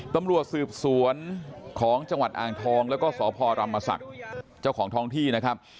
ตำรวจสืบสวนของจังหวัดอ่างทองแล้วก็สพรรมศักดิ์เจ้าของท้องที่นะครับ